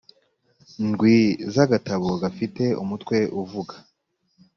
ndwi z agatabo gafite umutwe uvuga